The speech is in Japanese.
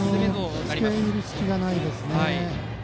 付け入る隙がないですね。